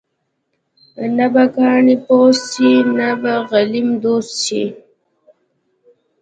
نه به کاڼې پوست شي، نه به غلیم دوست شي.